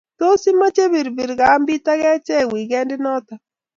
tos imache pi pir kambit ak achek wikendit nitok